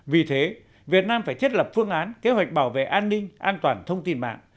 vì thế việt nam phải thiết lập phương án kế hoạch bảo vệ an ninh an toàn thông tin mạng